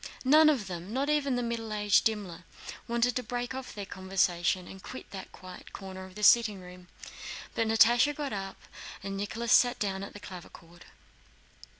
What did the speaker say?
None of them, not even the middle aged Dimmler, wanted to break off their conversation and quit that corner in the sitting room, but Natásha got up and Nicholas sat down at the clavichord.